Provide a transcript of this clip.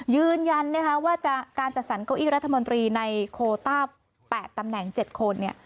ยืนยันว่าการจัดสรรเก้าอี้รัฐมนตรีในโคต้า๘ตำแหน่ง๗คน